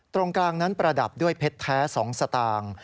ตรงกลางนั้นประดับด้วยเพชรแท้๒สตางค์